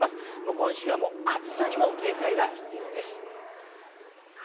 今週は暑さにも警戒が必要です。